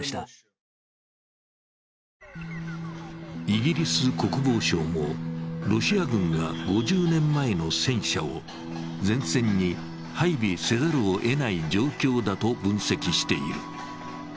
イギリス国防省もロシア軍が５０年前の戦車を前線に配備せざるをえない状況だと分析している。